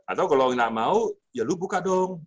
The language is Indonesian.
atau kalau nggak mau ya lu buka dong